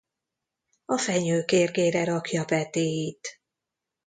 A fenyő kérgére rakja petéit.